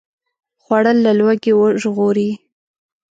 خوړل له لوږې وژغوري